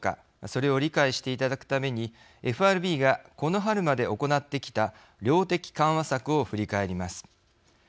それを理解していただくためにＦＲＢが、この春まで行ってきた量的緩和策を振り返ります。